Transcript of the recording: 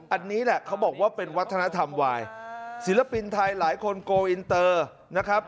อันนี้แหละเขาบอกว่าเป็นวัฒนธรรมวายศิลปินไทยหลายคนโกอินเตอร์นะครับ